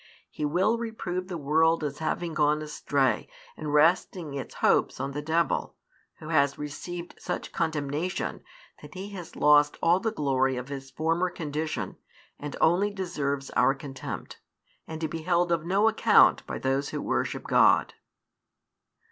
He will reprove the world as having gone astray and resting its hopes on [the devil], who has received such condemnation that he has lost all the glory of his former condition, and only deserves our contempt, and to be held of no account by those who worship God.